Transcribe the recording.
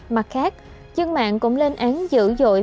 mặt khác dân mạng cũng lên án dữ dội